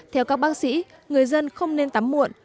theo các bác sĩ người dân không nên tắm muộn